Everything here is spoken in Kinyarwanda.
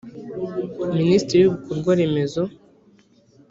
minisitiri w’ibikorwa remezo